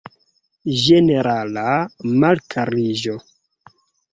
Ĝenerala malkariĝo.